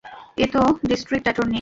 এ তো district attorney.